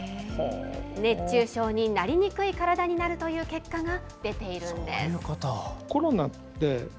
熱中症になりにくい体になるという結果が出ているんです。